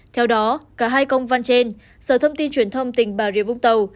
theo đó cả hai công văn trên sở thông tin truyền thông tỉnh bà rịa vũng tàu